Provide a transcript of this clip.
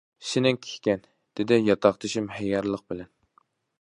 ‹‹ سېنىڭكى ئىكەن›› دېدى ياتاقدىشىم ھەييارلىق بىلەن.